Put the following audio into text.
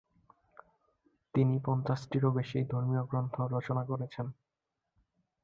তিনি পঞ্চাশটিরও বেশি ধর্মীয় গ্রন্থ রচনা করেছেন।